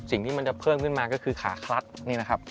สิ่งที่มันจะเพิ่มขึ้นมาก็คือขาคลัดนี่นะครับ